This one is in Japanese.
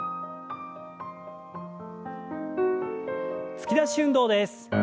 突き出し運動です。